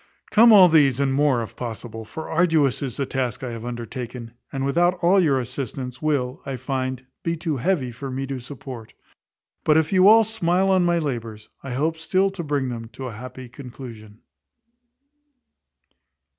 Come all these, and more, if possible; for arduous is the task I have undertaken; and, without all your assistance, will, I find, be too heavy for me to support. But if you all smile on my labours I hope still to bring them to a happy conclusion.